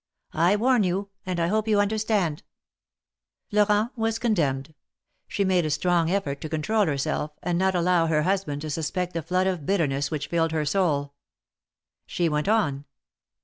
I warn you, and I hope you understand !" Florent was condemned. She made a strong effort to control herself, and not allow her husband to suspect the flood of bitterness which filled her soul. She went on.